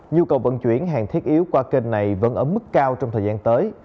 nhu cầu vận chuyển hàng thiết yếu qua kênh này vẫn ở mức cao trong thời gian tới